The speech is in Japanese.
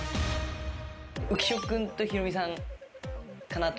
浮所君とヒロミさんかなと。